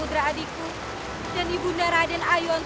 tidak ada kebolehan hatiku pourtant tujuanku